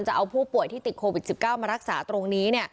จะเอาผู้ป่วยที่ติดโควิด๑๙มารักษาตรงนี้